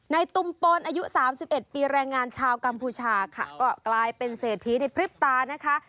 ในตุมปลอายุ๓๑ปีแรงงานชาวกัมพูชาค่ะก็กลายเป็นเศรษฐีในพฤตานะคะ